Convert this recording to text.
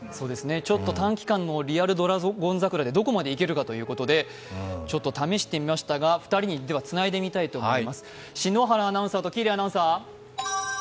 ちょっと短期間のリアル・ドラゴン桜でどこまでいけるか試してみましたが、２人につないでみたいと思います。